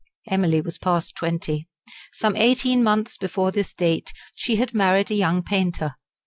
Emily was past twenty. Some eighteen months before this date she had married a young painter.